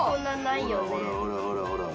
ほらほらほらほら。